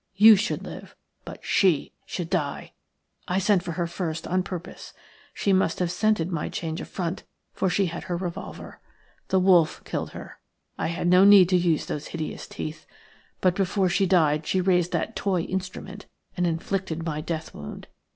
You should live, but SHE should die! I sent for her first on purpose. She must have scented my change of front, for she had her revolver. The wolf killed her – I had no need to use those hideous teeth; but before she died she raised that toy instrument and inflicted my death wound.